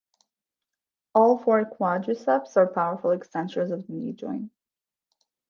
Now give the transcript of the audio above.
All four quadriceps are powerful extensors of the knee joint.